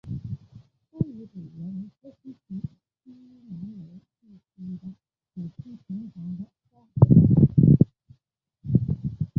该遗址原为河西区西南楼地区的土坯平房的三合院。